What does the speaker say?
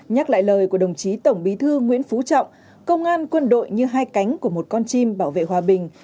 nhắc lại lời của đồng chí tổng bí thư nguyễn phú trọng công an quân đội như hai cánh của một con chim bảo vệ hòa bình